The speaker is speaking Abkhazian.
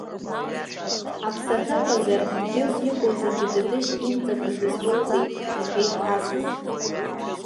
Аԥсаҭа ыҟазар, дгьылс иҟоу зегьы Тытышь имҵакны дызтәоузеи, — иҳәеит асас.